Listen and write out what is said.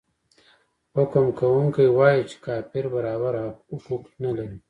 حکم کوونکی وايي چې کافر برابر حقوق نلري.